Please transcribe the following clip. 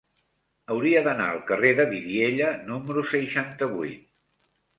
Hauria d'anar al carrer de Vidiella número seixanta-vuit.